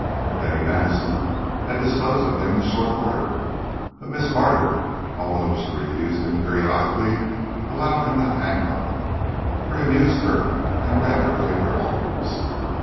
Betty Madison had disposed of him in short order, but Miss Carter, although she refused him periodically, allowed him to hang on, for he amused her and read her favourite authors.